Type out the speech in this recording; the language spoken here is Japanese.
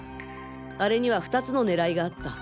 あれには２つの狙いがあった。